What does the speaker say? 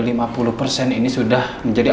rich emang yang sudah selesai